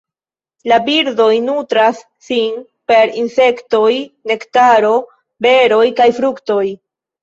La birdoj nutras sin per insektoj, nektaro, beroj kaj fruktoj.